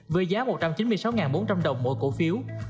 với giá một trăm chín mươi sáu bốn trăm linh đồng mỗi cổ phiếu